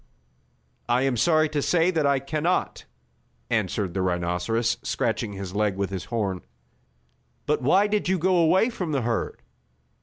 "I am sorry to say that I can not," answered the rhinoceros, scratching his leg with his horn. "But why did you go away from the herd?"